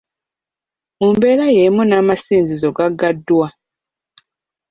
Mu mbeera y'emu n’amasinzizo gaggaddwa.